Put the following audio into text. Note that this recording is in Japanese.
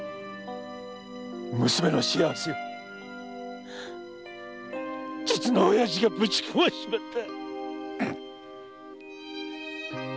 娘の幸せを実の親父がぶち壊しちまった！